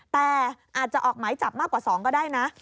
แต่อาจจะออกหมายจับมากกว่า๒ก็ได้นะ